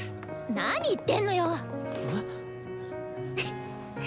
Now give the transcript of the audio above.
なに言ってんのよ！